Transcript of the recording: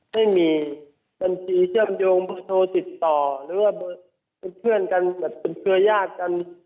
ไม่มีบัญชีเชื่อมโยงเบอร์โทรติดต่อหรือว่าเป็นเพื่อนกันแบบเป็นเครือญาติกัน